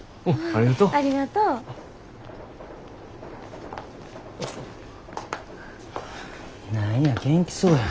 何や元気そうやん。